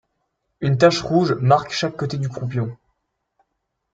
Une tache rouge marque chaque côté du croupion.